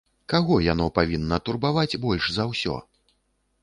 Каго яно павінна турбаваць больш за ўсё?